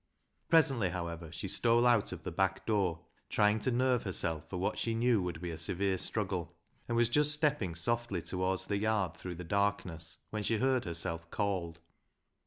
Presently, however, she stole out of the back door, trying to nerve herself for what she knew would be a severe struggle, and was just stepping softly towards the yard through the darkness when she heard herself called.